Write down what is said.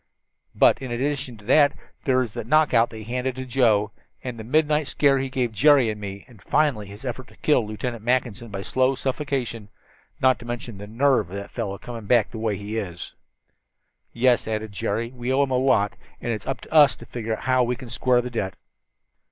"But, in addition to that, there is that knockout that he handed to Joe, and the midnight scare he gave Jerry and me, and finally his effort to kill Lieutenant Mackinson by slow suffocation, not to mention the nerve of the fellow in coming back the way he has." "Yes," added Jerry, "we owe him a lot, and it is up to us to figure out how we can square the debt."